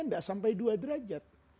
tidak sampai dua derajat